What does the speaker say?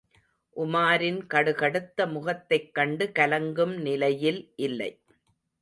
உமாரின் கடுகடுத்த முகத்தைக் கண்டு கலங்கும் நிலையில் இல்லை.